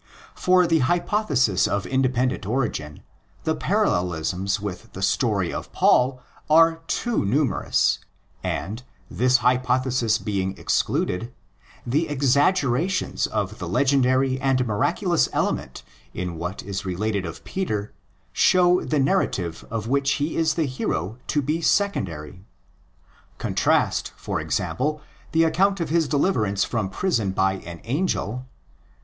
For the hypothesis of independent origin, the parallelisms with the story of Paul are too numerous; and, this hypothesis being excluded, the exaggerations of the legendary and miraculous element in what is related of Peter show the narrative of which he is the hero to be secondary. Contrast, for example, the account of his deliverance from prison by an angel (xii.